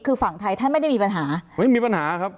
คือฝั่งไทยท่านไม่ได้มีปัญหาไม่มีปัญหาครับ